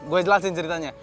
gue jelasin ceritanya